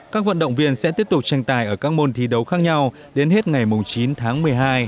các vận động viên sẽ tiếp tục tranh tài ở các môn thi đấu khác nhau đến hết ngày chín tháng một mươi hai